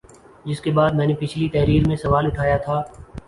جس کے بعد میں نے پچھلی تحریر میں سوال اٹھایا تھا